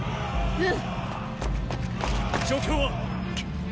うん。